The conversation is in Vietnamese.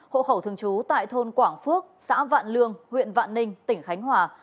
hộ khẩu thường trú tại thôn quảng phước xã vạn lương huyện vạn ninh tỉnh khánh hòa